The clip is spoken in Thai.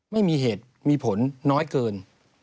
ไม่มีเหตุมีผลน้อยเกิน